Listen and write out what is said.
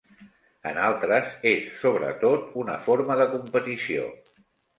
En altres, és sobretot una forma de competició.